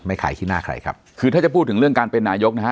ใครขี้หน้าใครครับคือถ้าจะพูดถึงเรื่องการเป็นนายกนะฮะ